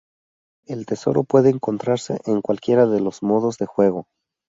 El tesoro puede encontrarse en cualquiera de los modos de juego.